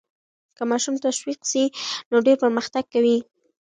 که ماشوم تشویق سي نو ډېر پرمختګ کوي.